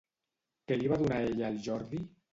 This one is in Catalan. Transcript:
Què li va donar ella al Jordi?